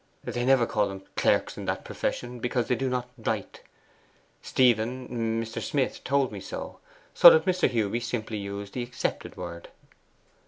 'They never call them clerks in that profession, because they do not write. Stephen Mr. Smith told me so. So that Mr. Hewby simply used the accepted word.